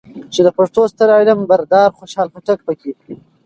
چې د پښتو ستر علم بردار خوشحال خټک پکې